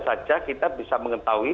saja kita bisa mengetahui